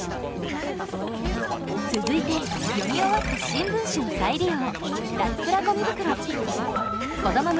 続いて読み終わった新聞紙を再利用。